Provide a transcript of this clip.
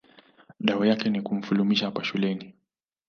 dawa yake ni kumfulumisha hapa shuleni